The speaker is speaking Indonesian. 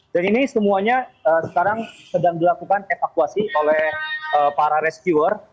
dan ini semuanya sekarang sedang dilakukan evakuasi oleh para rescuer